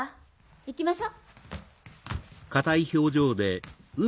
行きましょ。